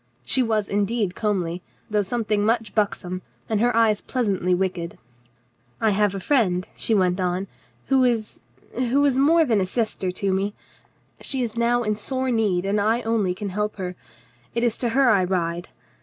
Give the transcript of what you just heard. She was indeed comely, though something much buxom, and her eyes pleasantly wicked. "I have a friend," she went on, "who is — who is more than a sister to me. She is now in sore need, and I only can help her. It is to her I ride.